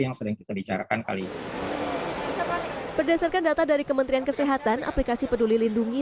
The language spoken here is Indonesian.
yang sering kita bicarakan kali berdasarkan data dari kementerian kesehatan aplikasi peduli lindungi